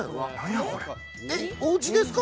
おうちですか？